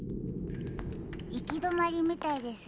いきどまりみたいですよ。